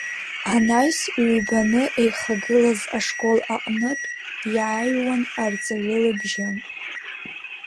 Анаҩс ҩбаны еихагылаз ашкол аҟынтә иааҩуан арҵаҩы лыбжьы…